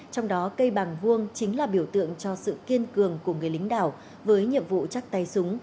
trong đó cây bàng vuông chính là biểu tượng cho sự kiên cường của người lính đảo với nhiệm vụ chắc tay súng